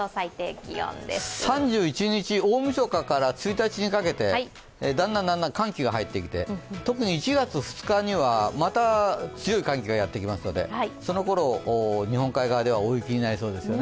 ３１日大みそかから１日にかけてだんだん寒気が入ってきて、特に１月２日にはまた強い寒気がやってきますのでそのころ、日本海側では大雪になりそうですよね。